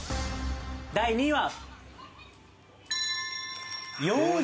第２位は。